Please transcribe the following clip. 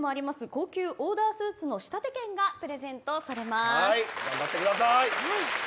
高級オーダースーツの仕立て券がプレゼントされます。